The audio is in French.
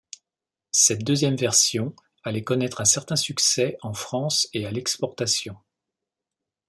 Cette deuxième version allait connaître un certain succès en France et à l’exportation.